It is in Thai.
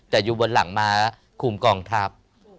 แต่อยู่บนหลังม้าคุมกองทัพ